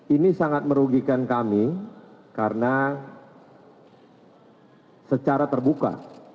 ini sangat merugikan kami karena secara terbuka